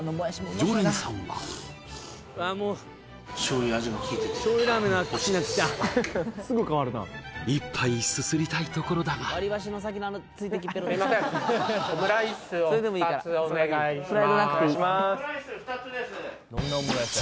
常連さんは１杯すすりたいところだがオムライス２つです